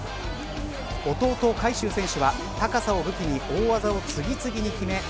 弟、海祝選手は高さを武器に大技を次々に決め